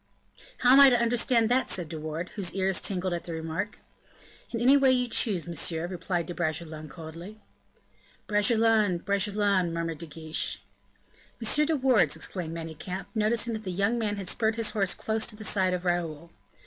"How am I to understand that?" said De Wardes, whose ears tingled at the remark. "In any way you chose, monsieur," replied De Bragelonne, coldly. "Bragelonne, Bragelonne," murmured De Guiche. "M. de Wardes," exclaimed Manicamp, noticing that the young man had spurred his horse close to the side of Raoul.